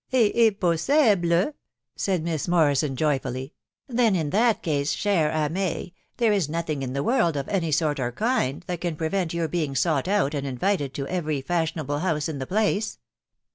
" Et he po se ble ?" said Miss Morrison, joyfully. " Then, in that case, share a me, there is nothing in the whole world, i any sort or kind, that can prevent your being sought out tod invited to every fashionable house in the place.